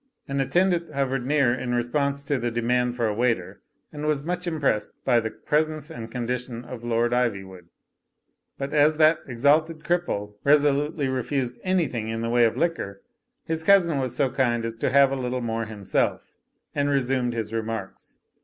An attendant hovered near in response to the de mand for a waiter, and was much impressed by the presence and condition of Lord Ivywood. But as that exalted cripple resolutely refused an3rthing in the way of liquor, his cousin was so kind as to have a little more himself, and resumed his remarks.